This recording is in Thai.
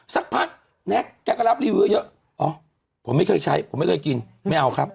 สักพักแน็กแกก็รับรีวิวเยอะอ๋อผมไม่เคยใช้ผมไม่เคยกินไม่เอาครับ